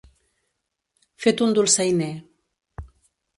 Fet un dolçainer.